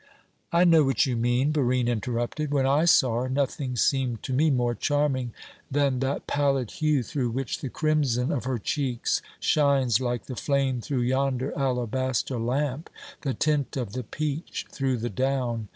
"I know what you mean," Barine interrupted. "When I saw her, nothing seemed to me more charming than that pallid hue through which the crimson of her cheeks shines like the flame through yonder alabaster lamp, the tint of the peach through the down.